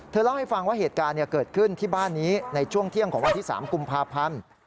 เล่าให้ฟังว่าเหตุการณ์เกิดขึ้นที่บ้านนี้ในช่วงเที่ยงของวันที่๓กุมภาพันธ์